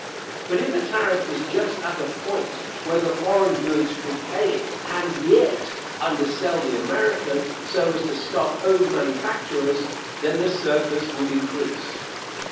But if the tariff is just at that point where the foreign goods could pay it and yet undersell the American so as to stop home manufactures, then the surplus would increase.